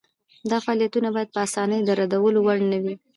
دا فعالیتونه باید په اسانۍ د ردولو وړ نه وي.